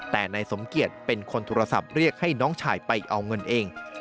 แต่นายสมเกียจเป็นคนโทรศัพท์เรียกให้น้องชายไปเอาเงินเอง